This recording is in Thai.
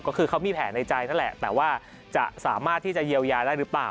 ก็คือเขามีแผลในใจนั่นแหละแต่ว่าจะสามารถที่จะเยียวยาได้หรือเปล่า